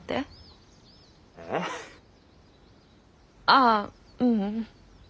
あううん。